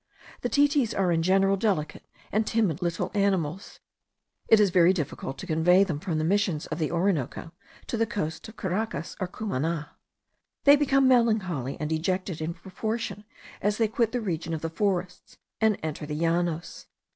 The titis are in general delicate and timid little animals. It is very difficult to convey them from the Missions of the Orinoco to the coast of Caracas, or of Cumana. They become melancholy and dejected in proportion as they quit the region of the forests, and enter the Llanos.